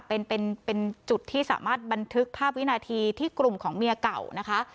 เป็นเป็นจุดที่สามารถบันทึกภาพวินาทีที่กลุ่มของเมียเก่านะคะ